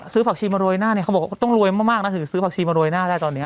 ผักชีมาโรยหน้าเนี่ยเขาบอกว่าต้องรวยมากนะถึงซื้อผักชีมาโรยหน้าได้ตอนนี้